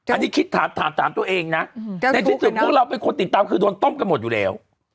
อันนี้คิดถามตัวเองนะในที่สุดพวกเราเป็นคนติดตามคือโดนต้มกันหมดอยู่แล้ว